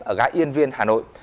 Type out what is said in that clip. ở gã yên viên hà nội